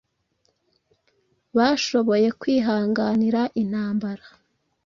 Bashoboye kwihanganira intambara